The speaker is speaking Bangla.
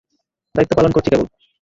দায়িত্ব পালন করছি কেবল।